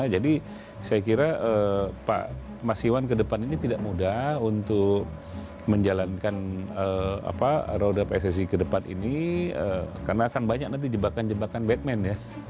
jadi saya kira pak mas iwan ke depan ini tidak mudah untuk menjalankan roda pssi ke depan ini karena akan banyak nanti jebakan jebakan batman